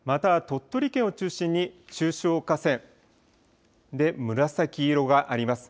また鳥取県を中心に中小河川で紫色があります。